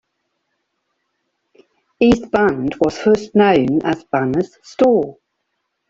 East Bend was first known as Banner's Store.